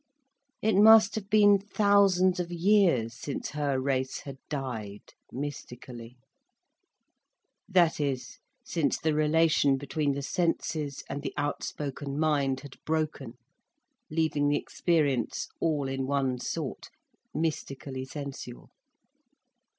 It must have been thousands of years since her race had died, mystically: that is, since the relation between the senses and the outspoken mind had broken, leaving the experience all in one sort, mystically sensual.